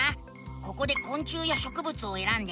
ここでこん虫やしょくぶつをえらんで。